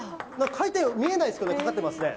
回転、見えないけどかかってますね。